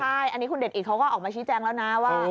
ใช่อันนี้คุณเดชอิทเขาก็ออกมาชี้แจงแล้วนะว่า